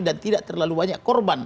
dan tidak terlalu banyak korban